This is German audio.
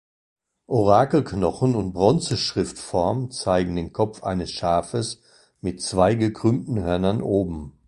Orakelknochen und Bronzeschrift-Form zeigen den Kopf eines Schafes mit zwei gekrümmten Hörnern oben.